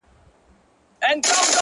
• پر تسپو پر عبادت پر خیراتونو,